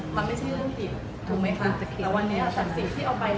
มันไม่ใช่เรื่องผิดถูกไหมคะแต่วันนี้อาจารย์ศรีที่เอาไปแล้ว